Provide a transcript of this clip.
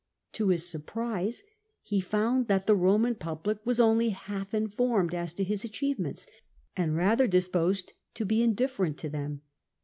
To his surprise, he found that the Eoman public was only half informed as to his achievements, and rather dis posed to be indifferent to them.